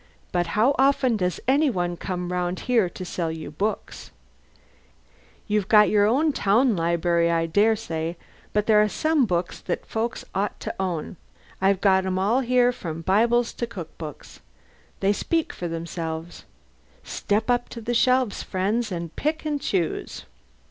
"But how often does any one come round here to sell you books? You've got your town library, I dare say; but there are some books that folks ought to own. I've got 'em all here from Bibles to cook books. They'll speak for themselves. Step up to the shelves, friends, and pick and choose."